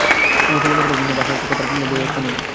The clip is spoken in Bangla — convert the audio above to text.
তুমি কি মনে কর, ভাষায় একটা কথার একটা বৈ অর্থ নেই?